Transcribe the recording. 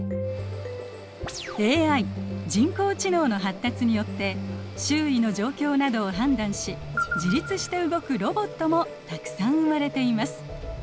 ＡＩ人工知能の発達によって周囲の状況などを判断し自律して動くロボットもたくさん生まれています。